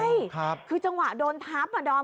ใช่คือจังหวะโดนทับอ่ะดอม